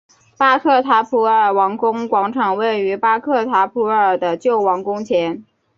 巴克塔普尔王宫广场位于巴克塔普尔的旧王宫前。